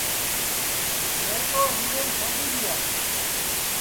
میں تو ہِنڈؔیم چھانڈِی دِؔیا